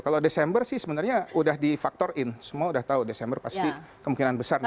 kalau desember sih sebenarnya sudah difaktorin semua sudah tahu desember pasti kemungkinan besar naik